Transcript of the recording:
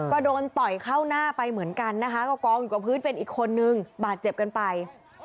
ก็โดนต่อยเข้าหน้าไปเหมือนกันนะคะก็กองอยู่กับพื้นเป็นอีกคนนึงบาดเจ็บกันไป